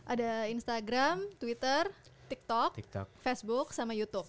ada instagram twitter tiktok facebook sama youtube